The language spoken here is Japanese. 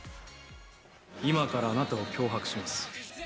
今からあなたを脅迫します。